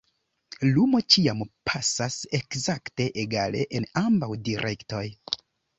Lumo ĉiam pasas ekzakte egale en ambaŭ direktoj.